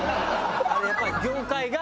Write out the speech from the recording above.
あれやっぱり業界が。